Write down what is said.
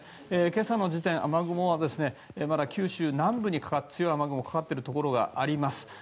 今朝の時点、雨雲はまだ九州南部に強い雨雲がかかっているところがあります。